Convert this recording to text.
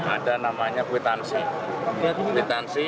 ada namanya kwitansi